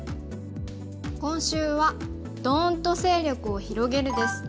今週は「ドーンと勢力を広げる」です。